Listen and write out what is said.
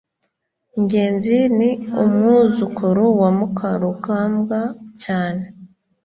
ngenzi ni umwuzukuru wa mukarugambwa cyane